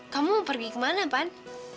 kamu pergi kemana pan